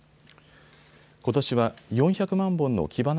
ことしは４００万本のキバナ